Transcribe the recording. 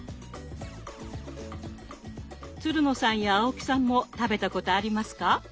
つるのさんや青木さんも食べたことありますか？